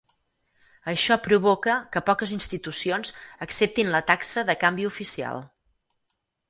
Això provoca que poques institucions acceptin la taxa de canvi oficial.